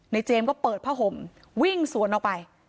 เจมส์ก็เปิดผ้าห่มวิ่งสวนออกไป